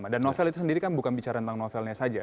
dan novel itu sendiri bukan bicara tentang novelnya saja